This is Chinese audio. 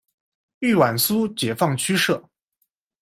豫皖苏解放区设。